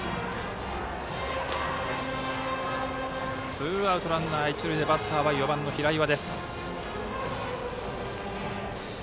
ツーアウトランナー、一塁でバッターは４番、平岩。